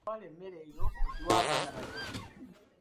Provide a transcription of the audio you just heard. Twala emmere eyo ogiwe abaana bagirye.